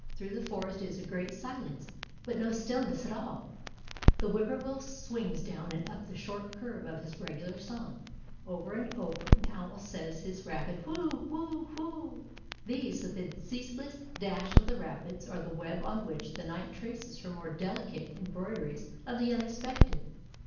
Through the forest is a great silence, but no stillness at all. The whippoorwill swings down and up the short curve of his regular song; over and over an owl says his rapid whoo, whoo, whoo. These, with the ceaseless dash of the rapids, are the web on which the night traces her more delicate embroideries of the unexpected.